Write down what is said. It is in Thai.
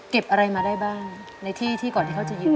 อะไรมาได้บ้างในที่ที่ก่อนที่เขาจะยืน